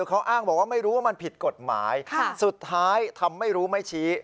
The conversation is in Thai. เขาอ้างบอกว่าไม่รู้ว่ามันผิดกฎหมายสุดท้ายทำไม่รู้ไม่ชี้